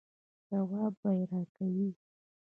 ځواب به یې راکوئ.